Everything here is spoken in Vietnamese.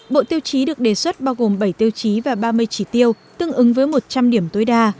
bộ tiêu chí được đề xuất bao gồm bảy tiêu chí và ba mươi chỉ tiêu tương ứng với một trăm linh điểm tối đa